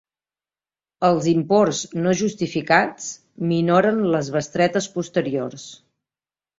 Els imports no justificats minoren les bestretes posteriors.